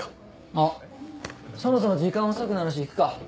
あっそろそろ時間遅くなるし行くか。